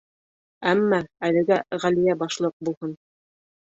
Әммә әлегә Ғәлиә башлыҡ булһын.